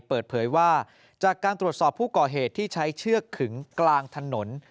เปิดเผยว่าจากการตรวจสอบผู้ก่อเหตุที่ใช้เชือกขึงกลางถนน